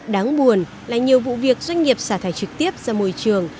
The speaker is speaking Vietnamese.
đáng buồn là nhiều vụ việc doanh nghiệp xả thải trực tiếp ra môi trường